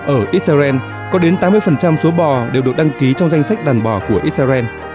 ở israel có đến tám mươi số bò đều được đăng ký trong danh sách đàn bò của israel